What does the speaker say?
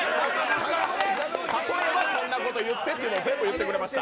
例えばこんなこと言ってというの全部言ってくれました。